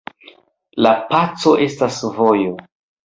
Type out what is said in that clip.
La paco estas vojo.